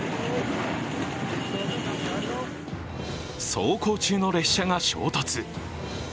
走行中の列車が衝突。